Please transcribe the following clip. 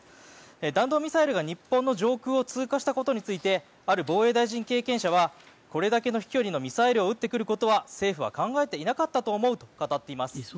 弾道ミサイルが日本の上空を通過したことについてある防衛大臣経験者はこれだけの飛距離のミサイルを撃ってくることは政府は考えていなかったと思うと語っています。